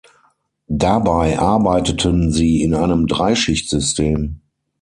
Dabei arbeiteten sie in einem Drei-Schicht-System.